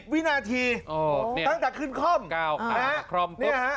๑๐วินาทีตั้งแต่ขึ้นคล่อม